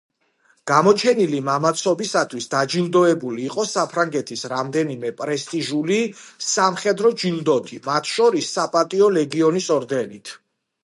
გამოჩენილი მამაცობისათვის დაჯილდოებული იყო საფრანგეთის რამდენიმე პრესტიჟული სამხედრო ჯილდოთი, მათ შორის საპატიო ლეგიონის ორდენით.